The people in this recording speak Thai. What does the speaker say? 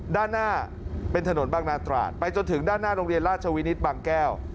ด้านหน้าเป็นถนนบางนาตราดไปจนถึงด้านหน้าโรงเรียนราชวินิตบางแก้ว